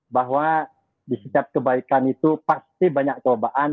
bahwa di setiap kebaikan itu pasti banyak cobaan